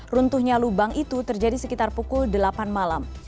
runtuhnya lubang itu terjadi sekitar pukul delapan malam